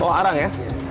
oh arang ya